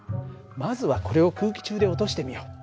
まずはこれを空気中で落としてみよう。